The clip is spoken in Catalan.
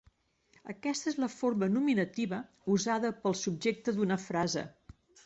Aquesta és la forma nominativa, usada pel subjecte d'una frase.